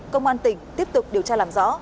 công an tỉnh tiếp tục điều tra làm rõ